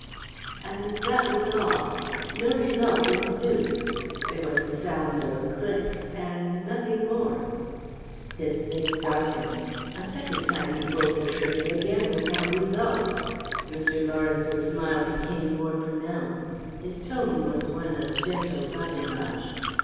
And that was all. No result ensued. There was the sound of a click and nothing more. His face darkened. A second time he pulled the trigger; again without result. Mr. Lawrence's smile became more pronounced. His tone was one of gentle badinage.